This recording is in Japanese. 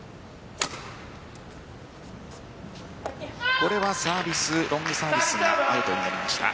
これはロングサービスがアウトになりました。